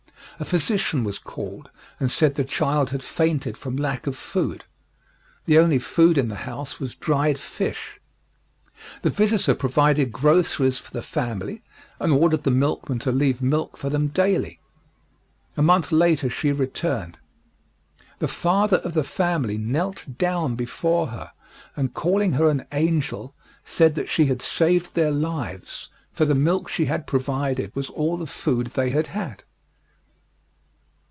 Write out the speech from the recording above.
A physician was called and said the child had fainted from lack of food. The only food in the home was dried fish. The visitor provided groceries for the family and ordered the milkman to leave milk for them daily. A month later she returned. The father of the family knelt down before her, and calling her an angel said that she had saved their lives, for the milk she had provided was all the food they had had.